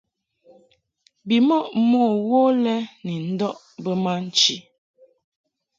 Bimɔʼ mo wo lɛ ni ndɔʼ bə ma nchi.